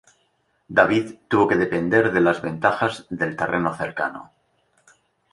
David tuvo que depender de las ventajas del terreno cercano.